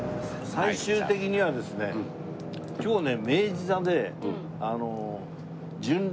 最終的にはですね今日ね。